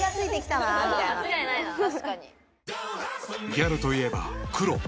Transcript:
［ギャルといえば黒］